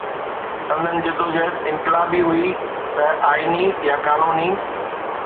سندن جدوجهد انقلابي هئي نه آئيني يا قانوني.